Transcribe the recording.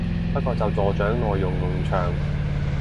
不過就助長內容農場